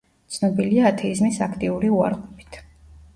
ცნობილია ათეიზმის აქტიური უარყოფით.